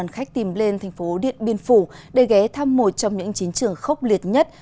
khách tìm lên thành phố điện biên phủ để ghé thăm một trong những chiến trường khốc liệt nhất